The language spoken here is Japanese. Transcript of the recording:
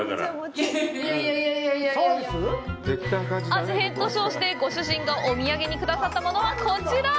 味変と称してご主人がお土産にくださったものはこちら！